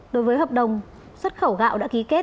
đối với hợp đồng xuất khẩu gạo đã ký kết